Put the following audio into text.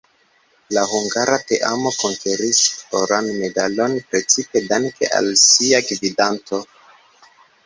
La hungara teamo konkeris oran medalon precipe danke al sia gvidanto.